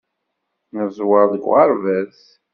Neẓwer deg uɣerbaz.